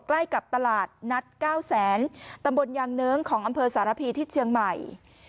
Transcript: ใกล้กับตลาดนัดเก้าแสนตำบลยางเนิ้งของอำเภอสารพีที่เชียงใหม่